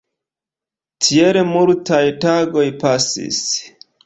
Tiel multaj tagoj pasis.